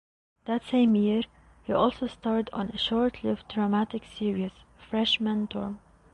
That same year, he also starred on a short-lived dramatic series, "Freshman Dorm".